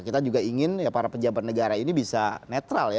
kita juga ingin ya para pejabat negara ini bisa netral ya